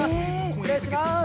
失礼します。